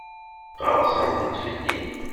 Qerrsent-d fell-i.